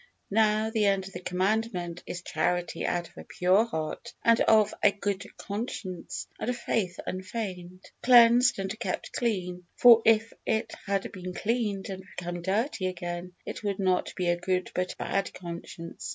"Now the end of the commandment is charity out of a pure heart, and of a good conscience, and of faith unfeigned" cleansed and kept clean, for if it had been cleaned and become dirty again, it would not be a good but a bad conscience.